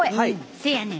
せやねん。